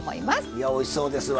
いやおいしそうですわ。